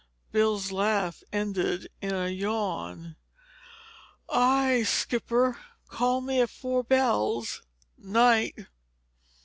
Bill's laugh ended in a yawn. "Aye, aye, skipper. Call me at four bells. Night!"